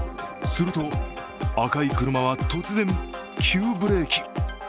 すると、赤い車は突然、急ブレーキ。